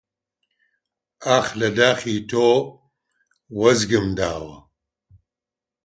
ئاخ لە داخی تۆ وەزگم داوە!